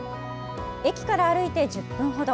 駅から歩いて１０分ほど。